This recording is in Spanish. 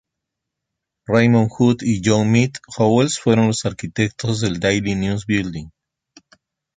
Raymond Hood y John Mead Howells fueron los arquitectos del Daily News Building.